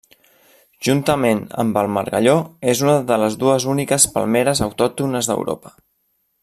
Juntament amb el margalló, és una de les dues úniques palmeres autòctones d'Europa.